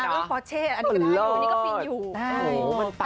ไม่ต้องปอร์เชรุนี่ก็ได้นี่ก็ฟินอยู่